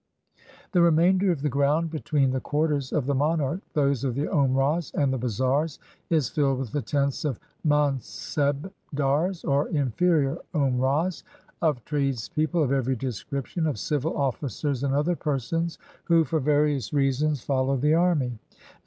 The remainder of the ground, between the quarters of the monarch, those of the OfnraJis, and the bazaars, is filled with the tents of Mansebdars, or inferior Omrahs, of tradespeople of ever}' description, of ci\'il oflScersand other persons, who for various reasons follow the army; and.